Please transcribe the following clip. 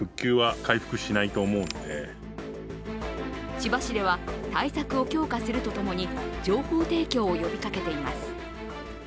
千葉市では対策を強化するとともに、情報提供を呼びかけています。